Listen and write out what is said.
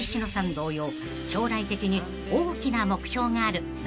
同様将来的に大きな目標がある中田さん］